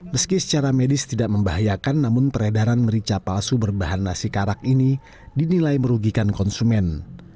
meski secara medis tidak membahayakan namun peredaran merica palsu berbahan nasi karak ini dinilai merugikan konsumen